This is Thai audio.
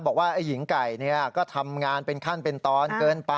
บอกว่าไอ้หญิงไก่ก็ทำงานเป็นขั้นเป็นตอนเกินไป